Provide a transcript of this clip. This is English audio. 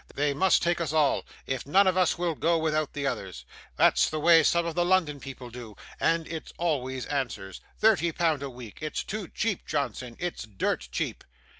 They must take us all, if none of us will go without the others. That's the way some of the London people do, and it always answers. Thirty pound a week it's too cheap, Johnson. It's dirt cheap.